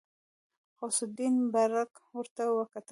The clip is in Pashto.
غوث الدين برګ ورته وکتل.